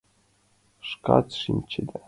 Шкат шинчеда...